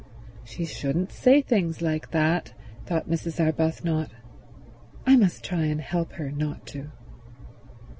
"She shouldn't say things like that," thought Mrs. Arbuthnot. "I must try and help her not to."